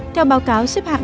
theo báo cáo xếp hạng